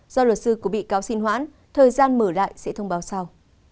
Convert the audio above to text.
do luật sư của bị cáo xin hoãn thời gian mở lại sẽ thông báo sau